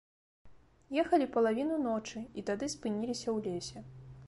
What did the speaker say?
Ехалі палавіну ночы і тады спыніліся ў лесе.